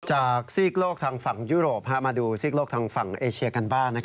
ซีกโลกทางฝั่งยุโรปมาดูซีกโลกทางฝั่งเอเชียกันบ้าง